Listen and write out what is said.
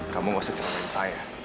kamu gak usah ceritain saya